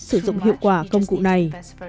sử dụng hiệu quả công cụ này